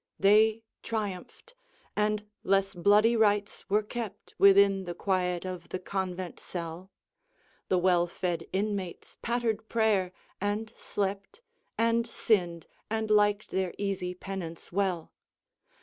XX. They triumphed, and less bloody rites were kept Within the quiet of the convent cell; The well fed inmates pattered prayer, and slept, And sinned, and liked their easy penance well.